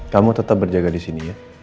kamu tetap berjaga disini ya